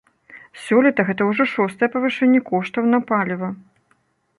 Сёлета гэта ўжо шостае павышэнне коштаў на паліва.